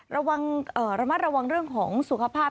ระมัดระวังเรื่องของสุขภาพ